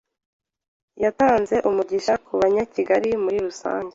Yatanze umugisha ku Banyakigali muri rusange